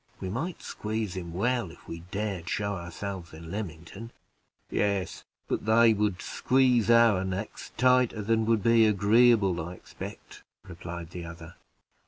We might squeeze him well, if we dared show ourselves in Lymington." "Yes, but they would squeeze our necks tighter than would be agreeable, I expect," replied the other.